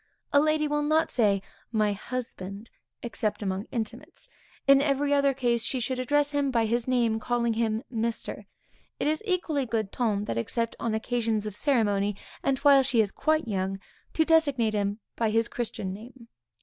A lady will not say, my husband, except among intimates; in every other case, she should address him by his name, calling him Mr. It is equally good ton that except on occasions of ceremony, and while she is quite young, to designate him by his christian name.